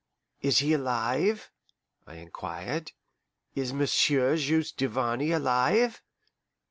"Is he alive?" I inquired. "Is Monsieur Juste Duvarney alive?"